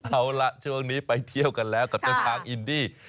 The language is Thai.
เอาล่ะช่วงนี้ไปเที่ยวกันแล้วกับเจ้าช้างอินดี้